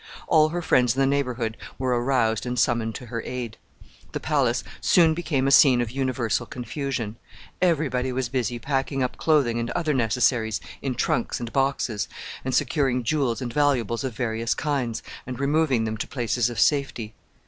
All her friends in the neighborhood were aroused and summoned to her aid. The palace soon became a scene of universal confusion. Every body was busy packing up clothing and other necessaries in trunks and boxes, and securing jewels and valuables of various kinds, and removing them to places of safety.